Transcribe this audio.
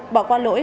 bỏ qua lỗi